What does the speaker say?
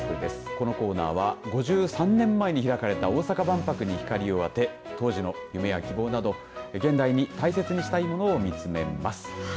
このコーナーは５３年前に開かれた大阪万博に光を当て当時の夢や希望など現代に大切にしたいものを見つめます。